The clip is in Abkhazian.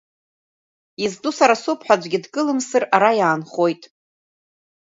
Изтәу сара соуп ҳәа аӡәгьы дкылымсыр ара иаанхоит.